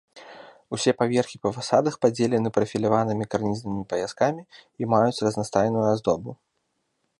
Усе паверхі па фасадах падзелены прафіляванымі карнізнымі паяскамі і маюць разнастайную аздобу.